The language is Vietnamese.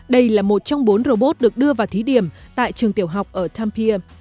đây là một trong bốn robot được đưa vào thí điểm tại trường tiểu học ở tampia